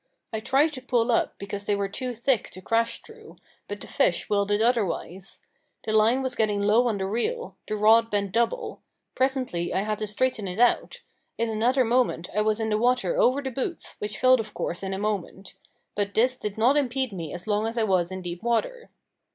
I tried to pull up because they were too thick to crash through; but the fish willed it otherwise. The line was getting low on the reel; the rod bent double; presently I had to straighten it out in another moment I was in the water over the boots, which filled of course in a moment. But this did not impede me as long as I was in deep water.